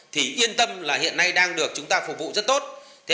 trung tâm là hiện nay đang được chúng ta phục vụ rất tốt